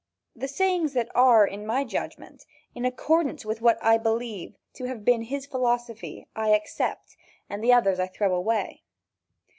The sayings that are, in my judgment, in accordance with what I believe to have been his philosophy, I accept, and the others I throw away.